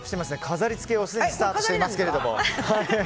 飾りつけをすでにスタートしていますけど。